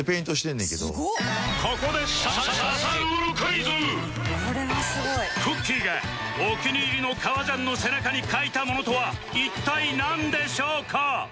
ここでくっきー！がお気に入りの革ジャンの背中に描いたものとは一体なんでしょうか？